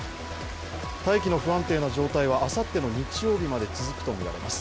大気の不安定な状態はあさっての日曜日まで続くとみられます。